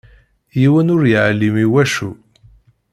Yiwen ur yeɛlim iwacu.